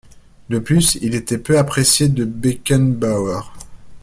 De plus, il était peu apprécié de Beckenbauer.